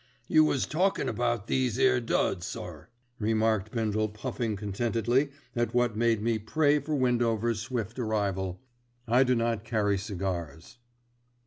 "You was talkin' about these 'ere duds, sir," remarked Bindle puffing contentedly at what made me pray for Windover's swift arrival: I do not carry cigars.